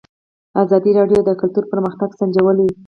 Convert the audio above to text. ازادي راډیو د کلتور پرمختګ سنجولی.